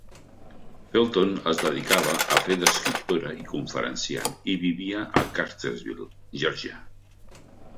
Felton es dedicava a fer d'escriptora i conferenciant i vivia a Cartersville, Geòrgia.